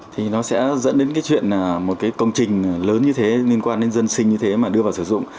thì nó sẽ dẫn đến cái chuyện là một cái công trình lớn như thế liên quan đến dân sinh như thế mà đưa vào sử dụng